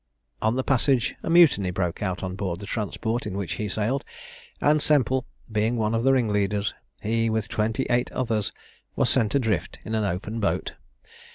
On the passage a mutiny broke out on board the transport in which he sailed; and Semple being one of the ringleaders, he, with twenty eight others, was sent adrift in an open boat.